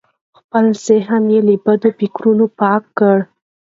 خپل ذهن له بدو فکرونو پاک کړئ.